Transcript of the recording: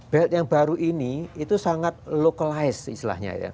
belt yang baru ini itu sangat lokalisasi